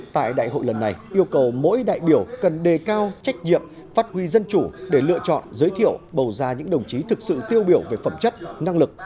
tại đại hội lần này yêu cầu mỗi đại biểu cần đề cao trách nhiệm phát huy dân chủ để lựa chọn giới thiệu bầu ra những đồng chí thực sự tiêu biểu về phẩm chất năng lực